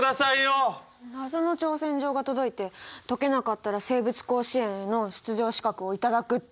謎の挑戦状が届いて解けなかったら生物甲子園への出場資格をいただくって！